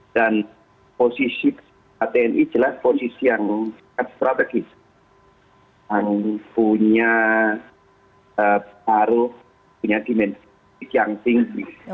dan posisi tni jelas posisi yang strategis yang punya paruh punya dimensi yang tinggi